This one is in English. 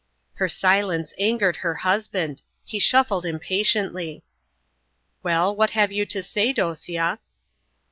Her silence angered her husband. He shuffled impatiently. "Well, what have you to say, Dosia?"